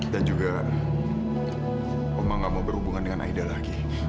dan juga oma gak mau berhubungan dengan aida lagi